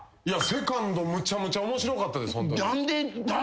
むちゃむちゃ面白かったです。